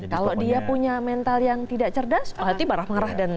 kalau dia punya mental yang tidak cerdas berarti marah marah